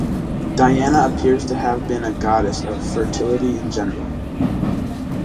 Diana appears to have been a goddess of fertility in general.